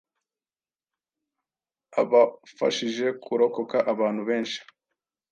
abafashije kurokoka abantu benshi